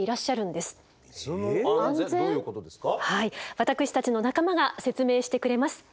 私たちの仲間が説明してくれます。